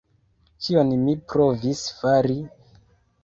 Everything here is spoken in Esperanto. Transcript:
Ĉion mi provis fari!